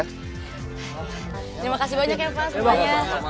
terima kasih banyak ya pak semuanya